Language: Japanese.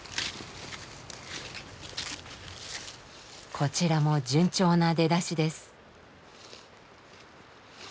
こちらも順調な出だしです。